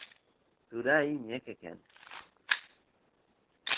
turay ñeqe kan